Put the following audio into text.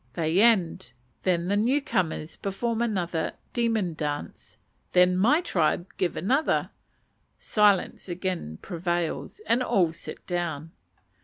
They end; then the newcomers perform another demon dance; then my tribe give another. Silence again prevails, and all sit down.